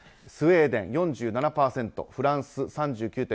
スウェーデン、４７％フランス、３９．５％